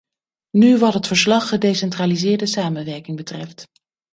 Nu wat het verslag gedecentraliseerde samenwerking betreft.